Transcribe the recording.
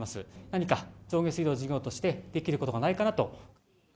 何か上下水道事業としてできることがないかなと。